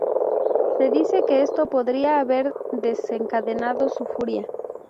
Se dice que esto podría haber desencadenado su furia.